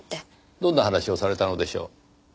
どんな話をされたのでしょう？